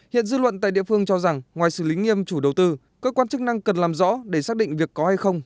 hiện dư luận tại địa phương cho rằng ngoài xử lý nghiêm chủ đầu tư cơ quan chức năng cần làm rõ để xác định việc có hay không